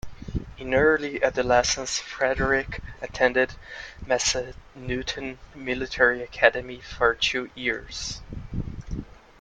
In early adolescence, Frederick attended Massanutten Military Academy for two years.